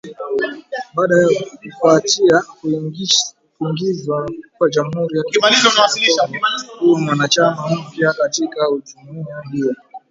Baada ya kufuatia kuingizwa kwa Jamhuri ya Kidemokrasi ya Kongo kuwa mwanachama mpya katika jumuiya hiyo.